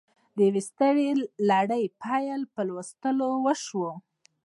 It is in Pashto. د یوې سترې لړۍ پیل په لوستلو وشو